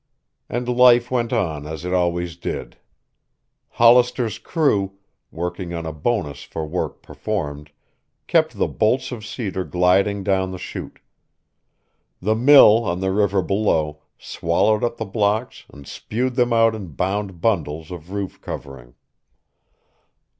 And life went on as it always did. Hollister's crew, working on a bonus for work performed, kept the bolts of cedar gliding down the chute. The mill on the river below swallowed up the blocks and spewed them out in bound bundles of roof covering.